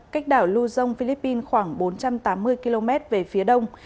cách đảo luzon philippines khoảng bốn trăm tám mươi km về phía đông